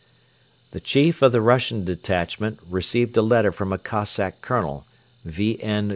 The chief of the Russian detachment received a letter from a Cossack Colonel, V.